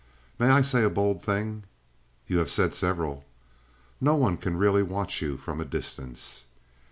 "May I say a bold thing?" "You have said several." "No one can really watch you from a distance."